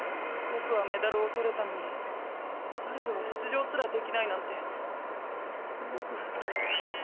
ぼくはメダルを取れたのにダリルは出場すらできないなんてぼく。